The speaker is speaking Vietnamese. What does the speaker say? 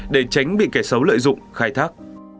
để tránh bị kẻ xấu lợi dụng khai thác